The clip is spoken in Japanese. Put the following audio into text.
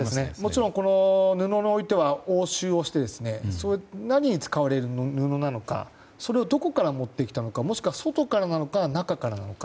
もちろん布においては押収をして何に使われる布なのかそれをどこから持ってきたのかもしくは外からなのか、中からなのか。